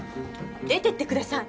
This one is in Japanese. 出ていってください。